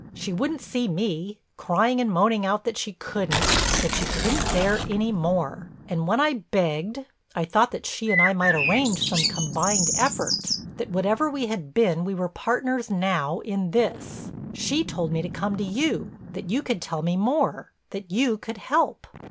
She wouldn't see me, crying and moaning out that she couldn't, that she couldn't bear any more. And when I begged—I thought that she and I might arrange some combined effort, that whatever we had been we were partners now in this—she told me to come to you, that you could tell me more, that you could help."